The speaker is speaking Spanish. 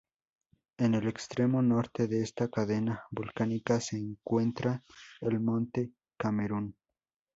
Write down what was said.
En el extremo norte de esta cadena volcánica se encuentra el monte Camerún.